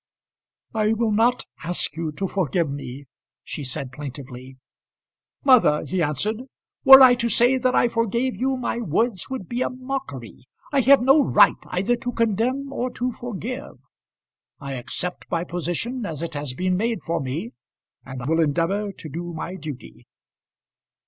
"I will not ask you to forgive me," she said, plaintively. "Mother," he answered, "were I to say that I forgave you my words would be a mockery. I have no right either to condemn or to forgive. I accept my position as it has been made for me, and will endeavour to do my duty."